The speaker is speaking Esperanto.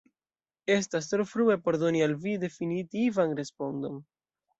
Estas tro frue por doni al vi definitivan respondon.